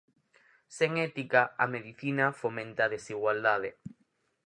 Sen ética, a medicina fomenta a desigualdade.